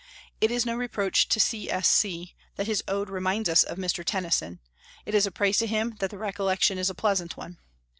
It is no reproach to "C. S. C." that his Ode reminds us of Mr. Tennyson; it is a praise to him that the recollection is a pleasant one.